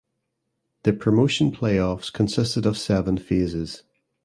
The Promotion Playoffs consisted of seven phases.